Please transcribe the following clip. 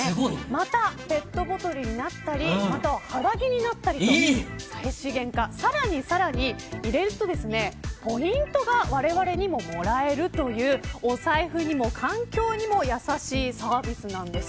またペットボトルになったり肌着になったりと再資源化、さらに入れると、ポイントがわれわれにも、もらえるというお財布にも環境にも優しいサービスなんです。